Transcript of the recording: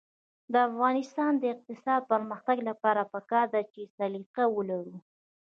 د افغانستان د اقتصادي پرمختګ لپاره پکار ده چې سلیقه ولرو.